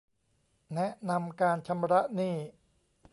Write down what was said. แนะนำการชำระหนี้